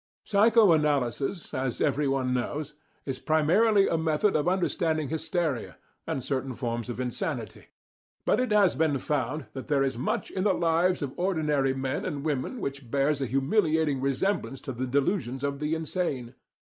Psycho analysis, as every one knows, is primarily a method of understanding hysteria and certain forms of insanity*; but it has been found that there is much in the lives of ordinary men and women which bears a humiliating resemblance to the delusions of the insane.